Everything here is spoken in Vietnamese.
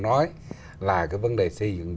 nói là cái vấn đề xây dựng